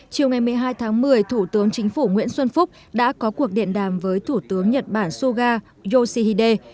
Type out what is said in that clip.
chiều ngày một mươi hai tháng một mươi thủ tướng chính phủ nguyễn xuân phúc đã có cuộc điện đàm với thủ tướng nhật bản suga yoshihide